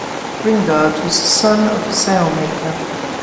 Grignard was the son of a sail maker.